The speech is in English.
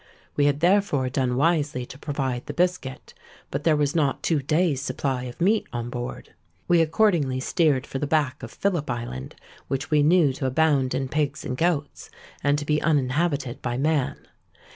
We had therefore done wisely to provide the biscuit; but there was not two days' supply of meat on board. We accordingly steered for the back of Philip Island, which we knew to abound in pigs and goats, and to be uninhabited by man.